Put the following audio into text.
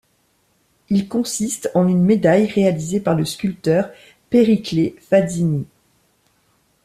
Il consiste en une médaille réalisée par le sculpteur Pericle Fazzini.